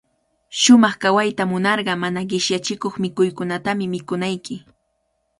Shumaq kawayta munarqa, mana qishyachikuq mikuykunatami mikunayki.